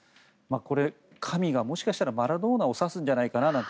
これ、神がもしかしたらマラドーナを指すんじゃないかななんて